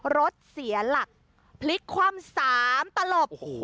รถเสียหลักพลิกคว่ำ๓ตลบ